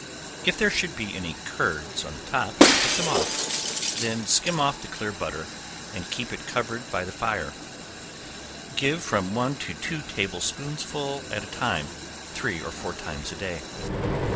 If there should be any curds on the top, take them off, then skim off the clear butter, and keep it covered by the fire; give from one to two table spoonsful at a time, three or four times a day.